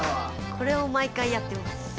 これを毎回やってます。